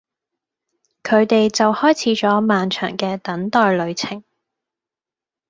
佢哋就開始咗漫長嘅等待旅程